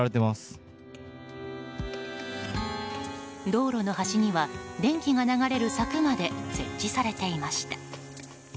道路の端には、電気が流れる柵まで設置されていました。